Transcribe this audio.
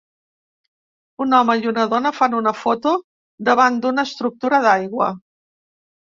Un home i una dona fan una foto davant d'una estructura d'aigua.